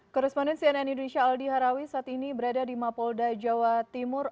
korresponden cnn indonesia aldi harawi saat ini berada di mapolda jawa timur